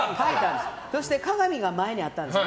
鏡が前にあったんですよ。